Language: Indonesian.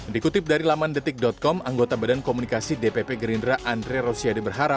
dikutip dari laman detik com anggota badan komunikasi dpp gerindra andre rosiade berharap